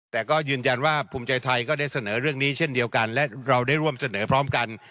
แต่ก็ยืนยันว่าภูมิใจไทยก็ได้เสนอเรื่องนี้เช่นเดียวกันและเราได้ร่วมเสนอพร้อมกัน